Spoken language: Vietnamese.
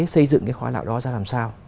xây dựng cái khoa lão đó ra làm sao